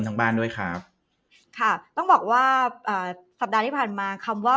ทางบ้านด้วยครับค่ะต้องบอกว่าอ่าสัปดาห์ที่ผ่านมาคำว่า